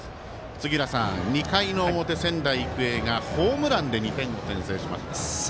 杉浦さん、２回の表仙台育英がホームランで２点を先制しました。